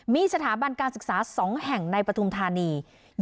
มีสถาบันการศึกษา๒แห่งในปฐุมธานี